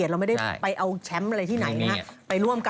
ไหวก็ค่อยไปต่อ